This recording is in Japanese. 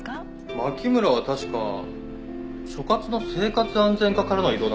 牧村は確か所轄の生活安全課からの異動だったな？